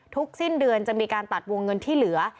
สิ้นเดือนจะมีการตัดวงเงินที่เหลือ